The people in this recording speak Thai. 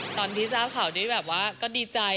ตอนที่ทราบข่าวด้วยแบบว่าก็ดีใจ